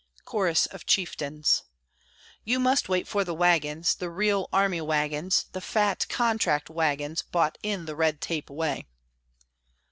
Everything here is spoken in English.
Chorus of Chieftains You must wait for the wagons, The real army wagons, The fat contract wagons, Bought in the red tape way.